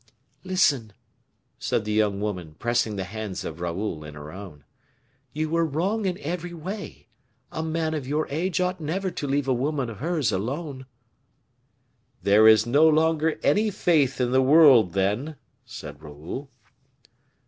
"Listen," said the young woman, pressing the hands of Raoul in her own, "you were wrong in every way; a man of your age ought never to leave a woman of hers alone." "There is no longer any faith in the world, then," said Raoul.